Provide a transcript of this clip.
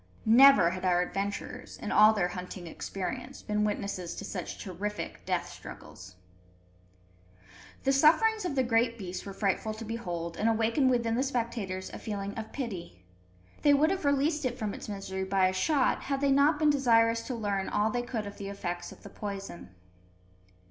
Never had our adventurers, in all their hunting experience, been witnesses to such terrific death struggles. The sufferings of the great beast were frightful to behold, and awakened within the spectators a feeling of pity. They would have released it from its misery by a shot, had they not been desirous to learn all they could of the effects of the poison.